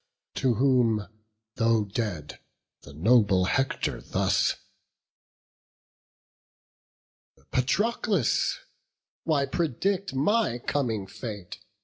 To whom, though dead, the noble Hector thus: "Patroclus, why predict my coming fate?